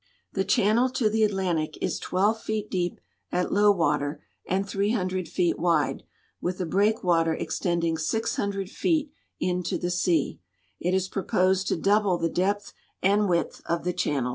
The channel to the Atlantic is 12 feet deep at low water and 300 feet Avide, with a break water extending 600 feet into the sea. It is proposed to doulde the depth and width of the channel.